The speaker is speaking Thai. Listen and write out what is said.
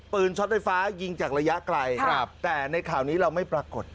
ช็อตไฟฟ้ายิงจากระยะไกลแต่ในข่าวนี้เราไม่ปรากฏ